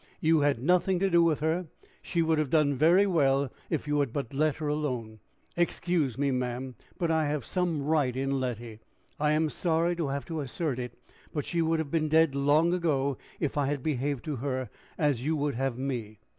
"You had nothing to do with her. She would have done very well if you had but let her alone." "Excuse me, ma'am, but I have some right in Letty. I am sorry to have to assert it, but she would have been dead long ago if I had behaved to her as you would have me."